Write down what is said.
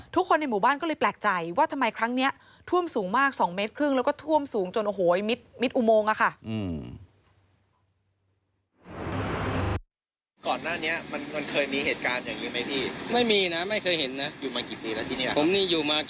ทุกคนในหมู่บ้านก็เลยแปลกใจว่าทำไมครั้งนี้ท่วมสูงมาก๒เมตรครึ่งแล้วก็ท่วมสูงจนโอ้โหมิดอุโมงอะค่ะ